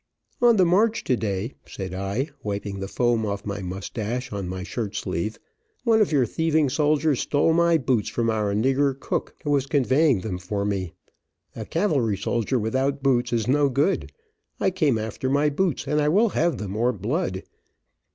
"On the march today," said I, wiping the foam off my moustache on my shirt sleeve, "one of your thieving soldiers stole my boots from our nigger cook, who was conveying them for me. A cavalry soldier without boots, is no good. I came after my boots, and I will have them or blood.